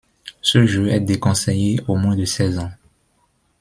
Ce jeu est déconseillé au moins de seize ans.